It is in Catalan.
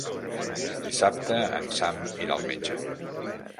Dissabte en Sam irà al metge.